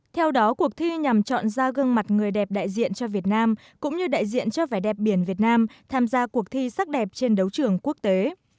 theo đó cuộc thi nhằm chọn ra gương mặt người đẹp đại diện cho việt nam cũng như đại diện cho vẻ đẹp biển việt nam tham gia cuộc thi sắc đẹp trên đấu trường quốc tế